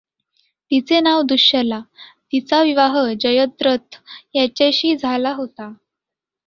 तिचे नाव दुःशला तिचा विवाह जयद्रथ ह्याचेशी झाला होता.